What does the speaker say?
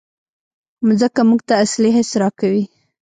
مځکه موږ ته اصلي حس راکوي.